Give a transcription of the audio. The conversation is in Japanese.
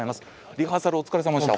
リハーサルお疲れさまでした。